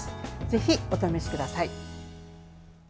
ぜひ、お試しください。